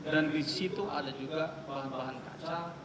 dan disitu ada juga bahan bahan kaca